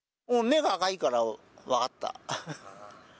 目が赤いから分かった。